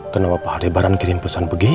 kenapa pak adebaran kirim pesan begini ya